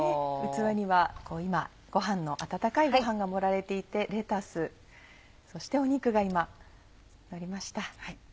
器には今ご飯の温かいご飯が盛られていてレタスそして肉が今のりました。